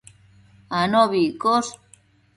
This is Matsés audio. anobi iccosh